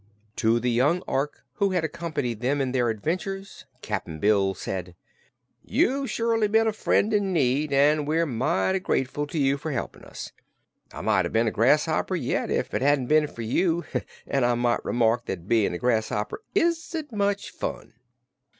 To the young Ork who had accompanied them in their adventures Cap'n Bill said: "You've surely been a friend in need, and we're mighty grateful to you for helping us. I might have been a grasshopper yet if it hadn't been for you, an' I might remark that bein' a grasshopper isn't much fun."